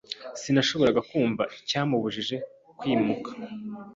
Sinashoboraga kumva icyambujije kwimuka.